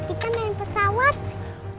opa kita main pesawat